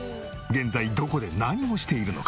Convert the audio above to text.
現在どこで何をしているのか？